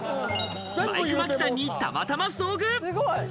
マイク眞木さんに、たまたま遭遇！